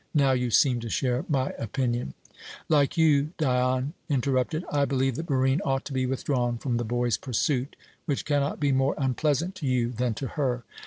Now you seem to share my opinion " "Like you," Dion interrupted, "I believe that Barine ought to be withdrawn from the boy's pursuit, which cannot be more unpleasant to you than to her.